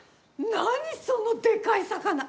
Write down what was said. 何、そのでかい魚。